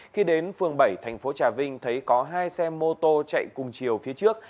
khi đến phường bảy thành phố trà vinh thấy có hai xe mô tô chạy cùng chiều phía trước